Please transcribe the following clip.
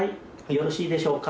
よろしいでしょうか？